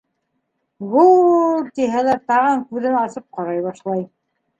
Гоол тиһәләр, тағын күҙен асып ҡарай башлай.